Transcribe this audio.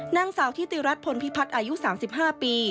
นางสาวทิติรัฐพลพิพัฒน์อายุ๓๕ปี